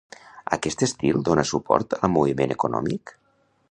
Aquest estil dona suport al model econòmic?